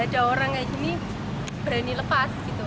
jauh orang kayak gini berani lepas